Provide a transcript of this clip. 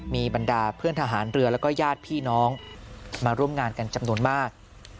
มีบรรดาเพื่อนทหารเรือแล้วก็ญาติพี่น้องมาร่วมงานกันจำนวนมาก